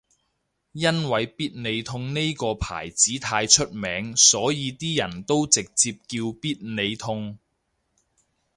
因為必理痛呢個牌子太出名所以啲人都直接叫必理痛